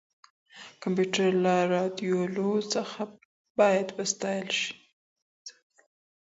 کمپيوټر له رالوېدلو څخه بايد وساتل سي.